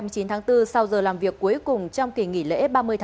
sau giờ làm việc cuối cùng trong kỳ nghỉ lễ